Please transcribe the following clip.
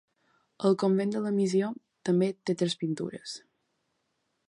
Al Convent de la Missió també té tres pintures.